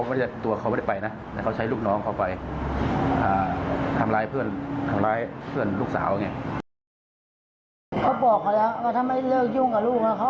เสื่อมเสียชื่อเสียชื่อเสียงก็เลยต้องไปแจ้งความเพราะว่ารับไม่ได้ที่อีกฝ่ายนึงมากระทำลูกสาวแม่อยู่ฝ่ายเดียวค่ะ